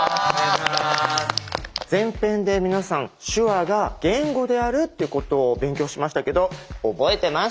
前編で皆さん手話が言語であるっていうことを勉強しましたけど覚えてますか？